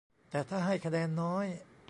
แต่ถ้าให้คะแนนน้อย